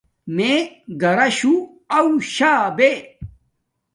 میے گھراشُݹ آݹ شا بے